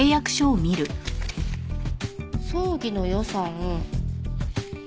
葬儀の予算。